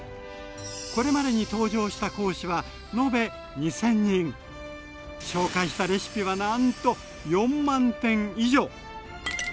これまでに登場した講師は延べ紹介したレシピはなんと４０，０００点以上。